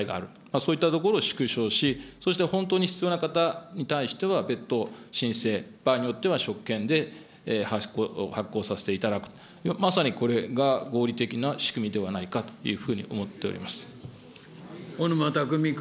そうしたところを縮小し、そして本当に必要な方に対しては、別途、申請、場合によっては職権で発行させていただくと、まさにこれが合理的な仕組みではないかというふうに思っておりま小沼巧君。